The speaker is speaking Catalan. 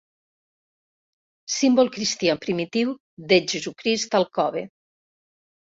Símbol cristià primitiu de Jesucrist al cove.